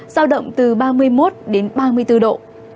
sao động từ ba mươi một ba mươi bốn độ